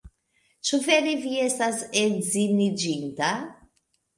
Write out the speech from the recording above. Ĉu vere vi estas edziniĝinta?